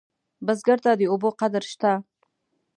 بزګر ته د اوبو قدر شته